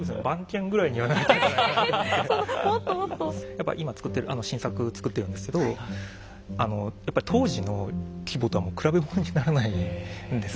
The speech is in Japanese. やっぱ今作ってる新作作ってるんですけどやっぱ当時の規模とはもう比べものにならないんですね。